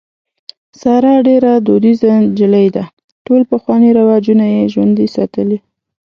ساره ډېره دودیزه نجلۍ ده. ټول پخواني رواجونه یې ژوندي ساتلي.